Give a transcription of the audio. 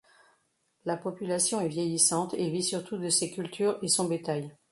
La population est vieillissante et vit surtout de ses cultures et son bétail.